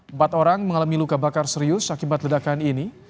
empat orang mengalami luka bakar serius akibat ledakan ini